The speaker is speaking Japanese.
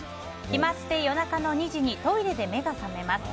決まって夜中の２時にトイレで目が覚めます。